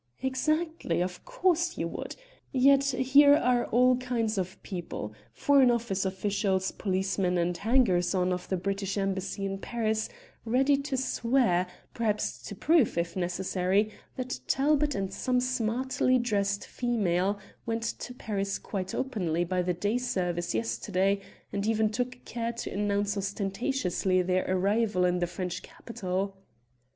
"Exactly. Of course you would! Yet here are all kinds of people Foreign Office officials, policemen, and hangers on of the British Embassy in Paris ready to swear, perhaps to prove, if necessary, that Talbot and some smartly dressed female went to Paris quite openly by the day service yesterday, and even took care to announce ostentatiously their arrival in the French capital."